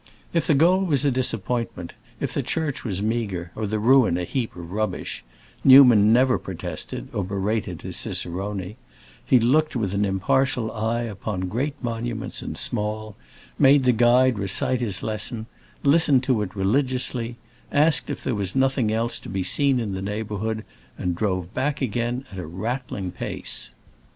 If the goal was a disappointment, if the church was meagre, or the ruin a heap of rubbish, Newman never protested or berated his cicerone; he looked with an impartial eye upon great monuments and small, made the guide recite his lesson, listened to it religiously, asked if there was nothing else to be seen in the neighborhood, and drove back again at a rattling pace.